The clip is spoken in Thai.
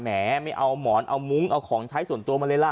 ไม่เอาหมอนเอามุ้งเอาของใช้ส่วนตัวมาเลยล่ะ